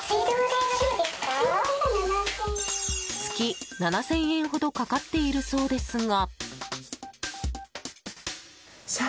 月７０００円ほどかかっているそうですが。